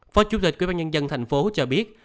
phó chủ tịch quy bán nhân dân thành phố cho biết